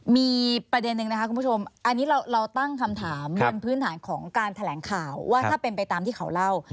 มีประเด็นหนึ่งนะคะคุณผู้ชมอันนี้เราตั้งคำถามบนพื้นฐานของการแถลงข่าวว่าถ้าเป็นไปตามที่เขาเล่า